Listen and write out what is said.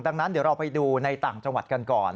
ดังนั้นเดี๋ยวเราไปดูในต่างจังหวัดกันก่อน